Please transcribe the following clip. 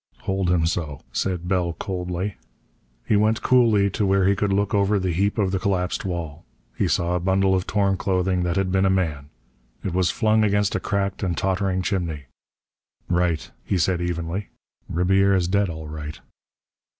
"Hold him so," said Bell coldly. He went coolly to where he could look over the heap of the collapsed wall. He saw a bundle of torn clothing that had been a man. It was flung against a cracked and tottering chimney. "Right," he said evenly. "Ribiera's dead, all right."